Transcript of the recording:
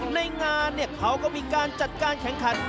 ในงานเขาก็มีการจัดการแข่งขัน